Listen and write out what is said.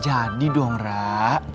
jadi dong raa